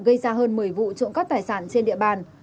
gây ra hơn một mươi vụ trộm cắp tài sản trên địa bàn